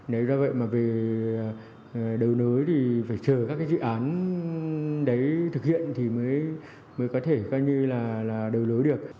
nếu do vậy mà về đầu nối thì phải chờ các cái dự án đấy thực hiện thì mới có thể coi như là đầu lối được